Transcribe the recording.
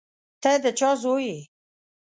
ته د چا زوی یې.